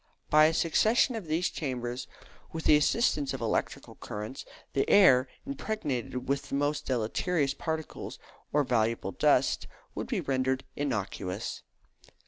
By a succession of these chambers, with the assistance of electric currents, the air, impregnated with the most deleterious particles, or valuable dust, could be rendered innocuous.